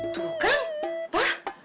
tuh kan pak